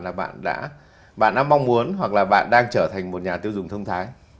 là bạn đã mong muốn hoặc là bạn đang trở thành một nhà tiêu dùng thông thái